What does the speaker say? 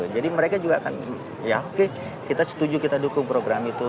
jadi mereka juga akan ya oke kita setuju kita dukung program itu